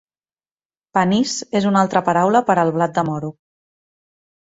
Panís és una altra paraula per al blat de moro.